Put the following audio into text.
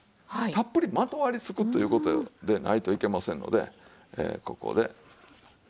たっぷりまとわりつくという事でないといけませんのでここで。